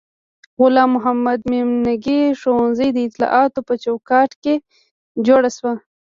غلام محمد میمنګي ښوونځی د اطلاعاتو په چوکاټ کې جوړ شو.